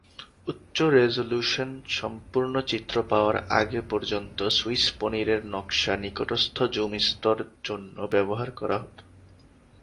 উচ্চ-রেজল্যুশন সম্পূর্ণ চিত্র পাওয়ার আগে পর্যন্ত সুইস পনিরের নকশা নিকটস্থ জুম স্তর জন্য ব্যবহার করা হতো।